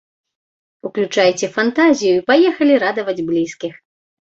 Уключайце фантазію і паехалі радаваць блізкіх!